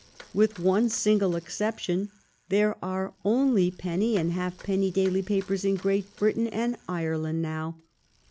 With one single exception, there are only penny and half penny daily papers in Great Britain and Ireland now.